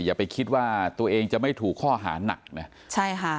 อย่าไปคิดว่าตัวเองจะไม่ถูกข้อหานักนะใช่ค่ะ